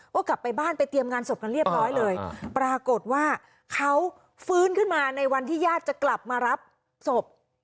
ก็กลับไปบ้านไปเตรียมงานศพกันเรียบร้อยเลยปรากฏว่าเขาฟื้นขึ้นมาในวันที่ญาติจะกลับมารับศพ